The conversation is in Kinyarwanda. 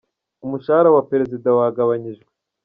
Umushahara wa Perezida wagabanyijwe